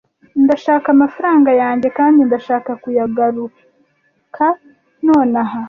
Ndashaka amafaranga yanjye kandi ndashaka kuyagaruka nonaha.